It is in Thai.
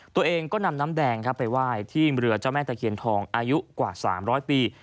ตัวเองก็นำน้ำแดงครับไปไหว้ที่เรือเจ้าแม่ตะเคียนทองอายุกว่า๓๐๐ปี